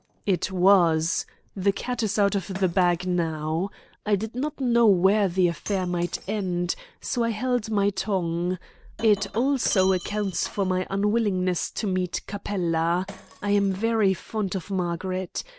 "It was. The cat is out of the bag now. I did not know where the affair might end, so I held my tongue. It also accounts for my unwillingness to meet Capella. I am very fond of Margaret.